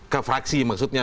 ke fraksi maksudnya